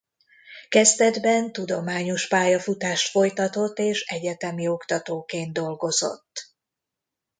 Kezdetben tudományos pályafutást folytatott és egyetemi oktatóként dolgozott.